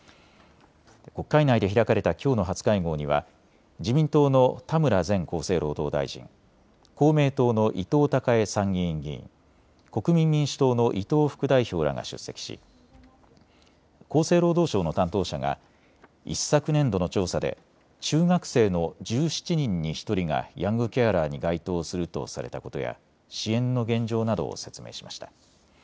国会内で開かれたきょうの初会合には自民党の田村前厚生労働大臣、公明党の伊藤孝江参議院議員、国民民主党の伊藤副代表らが出席し厚生労働省の担当者が一昨年度の調査で中学生の１７人に１人がヤングケアラーに該当するとされたことや支援の現状などを説明しました。